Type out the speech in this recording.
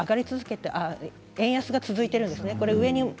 まだ円安が続いているんですね。